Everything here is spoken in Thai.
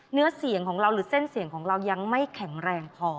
เนื้อเสียงของเราหรือเส้นเสียงของเรายังไม่แข็งแรงพอ